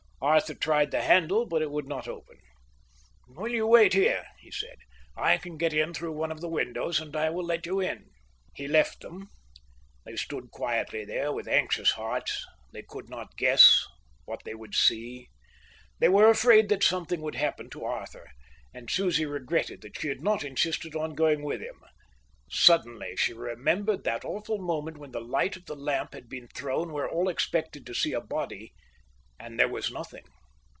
Arthur tried the handle, but it would not open. "Will you wait here?" he said. "I can get through one of the windows, and I will let you in." He left them. They stood quietly there, with anxious hearts; they could not guess what they would see. They were afraid that something would happen to Arthur, and Susie regretted that she had not insisted on going with him. Suddenly she remembered that awful moment when the light of the lamp had been thrown where all expected to see a body, and there was nothing.